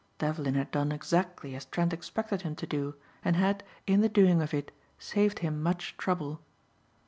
Devlin had done exactly as Trent expected him to do and had, in the doing of it, saved him much trouble.